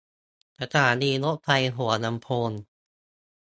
สถานีรถไฟหัวลำโพง